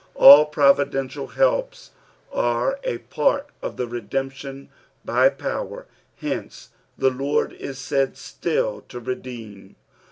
All providential helps arc a part of the redemption by power, hence the Lord is said still to redeem.